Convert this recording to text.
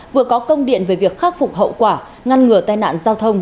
vừa có công điện về việc khắc phục hậu quả ngăn ngừa tai nạn giao thông